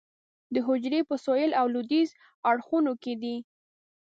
دا حجرې په سویل او لویدیځ اړخونو کې دي.